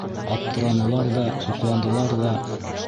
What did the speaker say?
Аптыранылар ҙа, һоҡландылар ҙа.